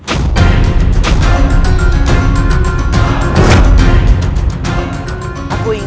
menjangan emas itu